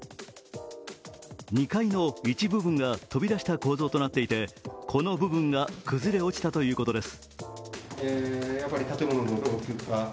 ２階の一部分が飛び出した構造となっていてこの部分が崩れ落ちたということです。